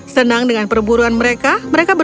senang dengan perburuan mereka mereka berburu